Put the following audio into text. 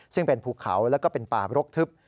ซึ่งเป็นภูเขาแล้วก็เป็นป่าบรกทึบ